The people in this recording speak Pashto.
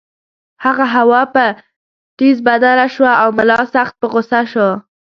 هغه هوا په ټیز بدله شوه او ملا سخت په غُصه شو.